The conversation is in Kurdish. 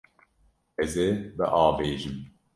Ez ê biavêjim.